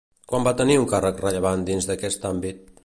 Quan va tenir un càrrec rellevant dins d'aquest àmbit?